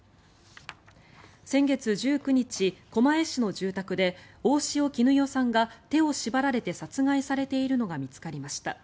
先月１９日、狛江市の住宅で大塩衣與さんが手を縛られて殺害されているのが見つかりました。